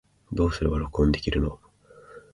どうすれば録音できるの